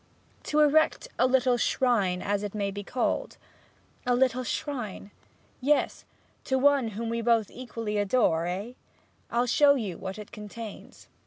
'To erect a little shrine, as it may be called.' 'A little shrine?' 'Yes; to one whom we both equally adore eh? I'll show you what it contains.'